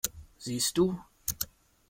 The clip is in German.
Siehst du?